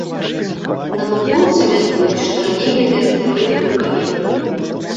Навукоўцы мяркуюць, што раней гэты астэроід быў каметай.